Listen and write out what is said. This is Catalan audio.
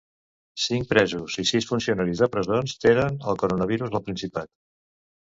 Cinc presos i sis funcionaris de presons tenen el coronavirus al Principat.